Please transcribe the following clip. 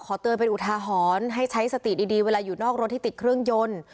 เตือนเป็นอุทาหรณ์ให้ใช้สติดีเวลาอยู่นอกรถที่ติดเครื่องยนต์